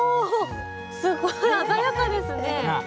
すごい鮮やかですね！